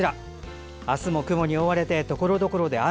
明日も雲に覆わてところどころで雨。